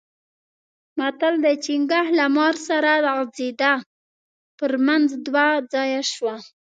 متل؛ چينګه له مار سره غځېده؛ پر منځ دوه ځايه شوه.